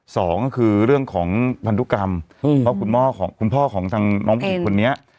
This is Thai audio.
สองก็คือเรื่องของพันธุกรรมเพราะคุณพ่อของทางน้องคุณคนนี้